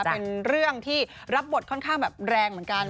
เป็นเรื่องที่รับบทค่อนข้างแบบแรงเหมือนกัน